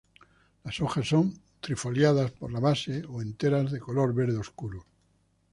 Las hojas son trifoliadas por la base o enteras de color verde oscuro.